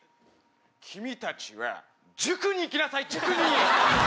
「君たちは塾に行きなさい塾に！」